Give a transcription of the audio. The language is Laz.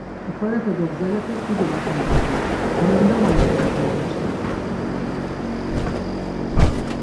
Oxorepe do gzalepek dido ok̆ungapan, va mendamalen am noğaşen.